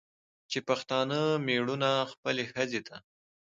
چې پښتانه مېړونه خپلې ښځې ته